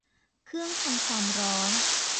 เครื่องทำความร้อน